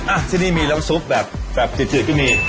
อ่ะที่นี่มีน้ำซุปแบบแบบจืดก็มี